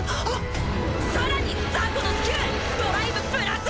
更にザコのスキルドライブプラス